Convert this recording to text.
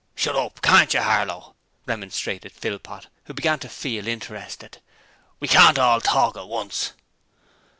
'Shut up, can't you, Harlow,' remonstrated Philpot, who began to feel interested. 'We can't all talk at once.'